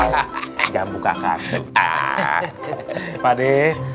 baik sini pak adek